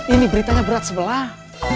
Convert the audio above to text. ini beritanya berat sebelah